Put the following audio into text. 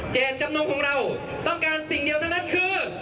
จำนงของเราต้องการสิ่งเดียวเท่านั้นคือ